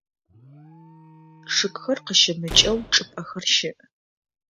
Чъыгхэр къыщымыкӏэу чӏыпӏэхэр щыӏ.